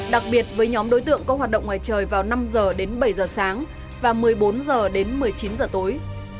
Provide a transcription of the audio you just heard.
đặc biệt với nhóm đối tượng có hoạt động ngoài trời vào năm h đến bảy giờ sáng và một mươi bốn h đến một mươi chín h tối